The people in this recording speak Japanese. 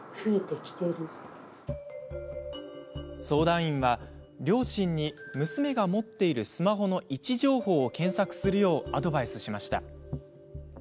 相談員は、両親に娘が持っているスマホの位置情報を検索するようアドバイスしました。